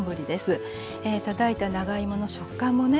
たたいた長芋の食感もね